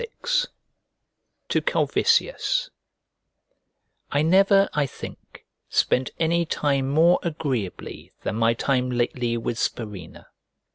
XXVI To CALVISIUS I NEVER, I think, spent any time more agreeably than my time lately with Spurinna.